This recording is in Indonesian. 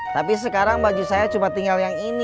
tapi sekarang baju saya cuma tinggal yang ini